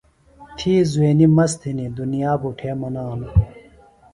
تھی زُوینی مست ہِنیۡ دُنیا بُٹھے منانوۡ۔